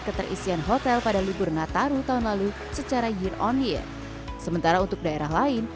keterisian hotel pada libur nataru tahun lalu secara year on year sementara untuk daerah lain